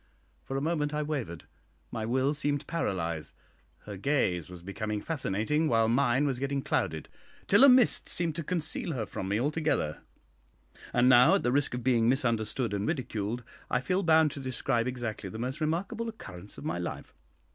For a moment I wavered; my will seemed paralysed; her gaze was becoming fascinating, while mine was getting clouded, till a mist seemed to conceal her from me altogether. And now, at the risk of being misunderstood and ridiculed, I feel bound to describe exactly the most remarkable occurrence of my life.